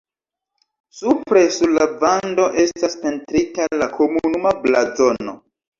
Supre sur la vando estas pentrita la komunuma blazono.